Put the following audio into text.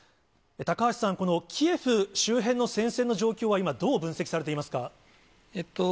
高橋さん、このキエフ周辺の戦線の状況は今、どう分析されていますか？